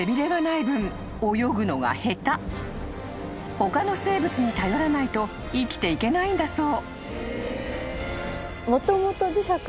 ［他の生物に頼らないと生きていけないんだそう］